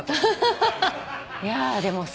いやでもさ